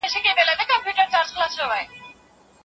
د چرګ غوښه سپینه غوښه ده.